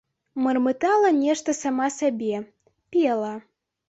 Мармытала нешта сама сабе, пела.